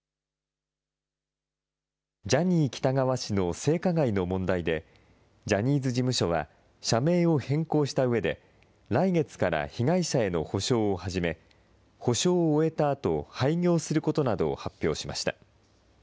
ジャニー喜多川氏の性加害の問題で、ジャニーズ事務所は社名を変更したうえで、来月から被害者への補償を始め、補償を終えたあと廃業することなどを発表しました。